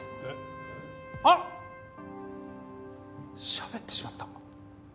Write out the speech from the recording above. しゃべってしまった。